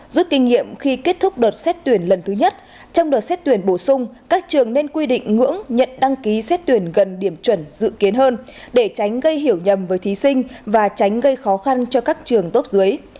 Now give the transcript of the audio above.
rút kinh nghiệm khi kết thúc đợt xét tuyển lần thứ nhất trong đợt xét tuyển bổ sung các trường nên quy định ngưỡng nhận đăng ký xét tuyển gần điểm chuẩn dự kiến hơn để tránh gây hiểu nhầm với thí sinh và tránh gây khó khăn cho các trường tốt dưới